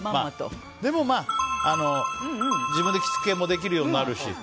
でも、まあ自分で着付けもできるようになるし。